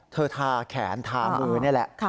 ทาแขนทามือนี่แหละ